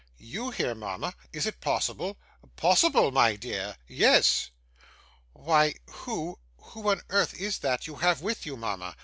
'YOU here, mama! Is it possible!' 'Possible, my dear? Yes.' 'Why who who on earth is that you have with you, mama?